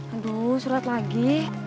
aduh surat lagi